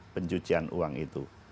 pencucian uang itu